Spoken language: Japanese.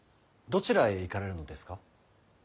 とちらへ行かれるのですか？